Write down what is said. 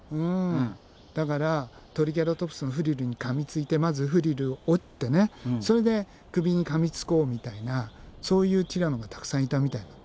だからトリケラトプスのフリルに噛みついてまずフリルを折ってそれで首に噛みつこうみたいなそういうティラノがたくさんいたみたいなんだよね。